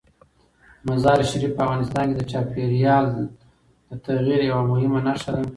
مزارشریف په افغانستان کې د چاپېریال د تغیر یوه مهمه نښه ده.